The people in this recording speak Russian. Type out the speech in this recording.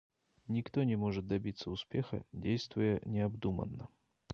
Никто не может добиться успеха, действуя необдуманно.